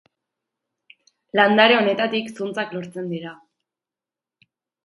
Landare honetatik zuntzak lortzen dira.